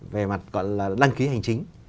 về mặt gọi là đăng ký hành chính